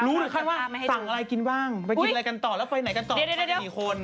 รู้หรือความว่าสั่งอะไรกินบ้างไปกินอะไรกันต่อแล้วไปไหนกันต่อกันบางคน